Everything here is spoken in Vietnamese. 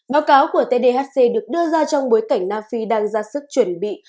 báo cáo của tdhc được đưa ra trong bối cảnh nam phi đang ra sức chuẩn bị